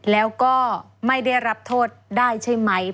แล้วก็ไม่ได้รับโทษได้ใช่ไหม